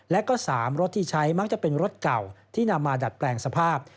และก็๓รถที่ใช้มักจะเป็นรถเก่าที่นำมาดัดแปลงสภาพ